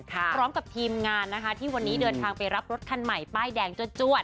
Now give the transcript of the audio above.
พร้อมกับทีมงานนะคะที่วันนี้เดินทางไปรับรถคันใหม่ป้ายแดงจวด